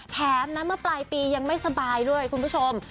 แถมนะเมื่อปลายปียังไม่สบายด้วยคุณผู้ชม